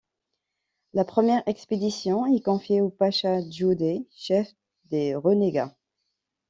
La première expédition est confiée au pacha Djouder, chef des renégats.